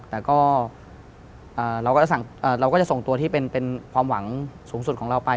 แต่ก็เราก็จะส่งตัวที่เป็นความหวังสูงสุดของเราไป